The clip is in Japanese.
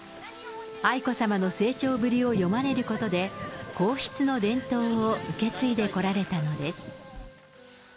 愛子さまの成長ぶりを詠まれることで、皇室の伝統を受け継いでこられたのです。